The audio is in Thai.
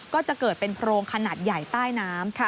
ก็จะเกิดเป็นโพรงขนาดใหญ่ใต้น้ำ